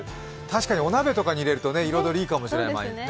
確かにお鍋とかに入れると彩りいいかもしれない。